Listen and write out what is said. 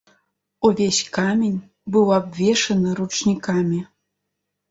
Увесь камень быў абвешаны ручнікамі.